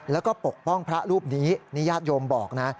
แล้วก็ปกป้องพระรูปนี้นี่ญาติโยมบอกนะ